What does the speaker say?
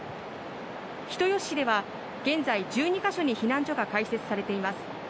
人吉市では現在１２か所に避難所が開設されています。